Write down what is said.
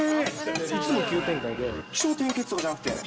いつも急展開で、起承転結とかじゃなくて。